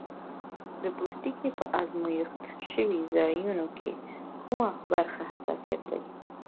د پوستکي په آزمېښت شوي ځایونو کې کومه برخه حساسیت لري؟